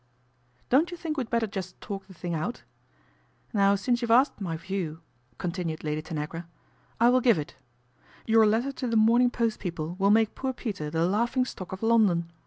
" Don't you think we had better just talk the thing out ? Now since you have asked my view," continued Lady Tanagra, " I will give it. Your letter to The Morning Post people will make poor Peter the laughing stock of London.